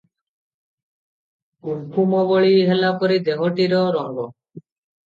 କୁଙ୍କୁମ ବୋଳି ହେଲା ପରି ଦେହଟିର ରଙ୍ଗ ।